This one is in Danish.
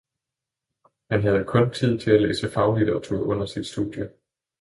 Han havde kun tid til at læse faglitteratur under sit studie.